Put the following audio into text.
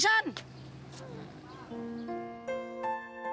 aku mau pergi